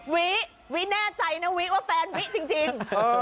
วิวิแน่ใจนะวิว่าแฟนวิจริง